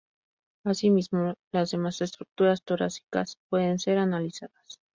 Asimismo, las demás estructuras torácicas pueden ser analizadas.